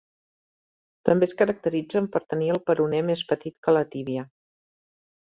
També es caracteritzen per tenir el peroné més petit que la tíbia.